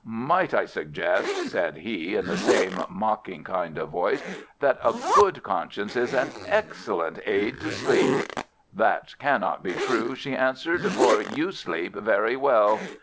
"Might I suggest," said he, in the same mocking kind of voice, "that a good conscience is an excellent aid to sleep?" "That cannot be true," she answered, "for you sleep very well."